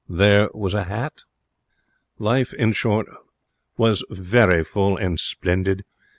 There was a hat ... Life, in short, was very full and splendid.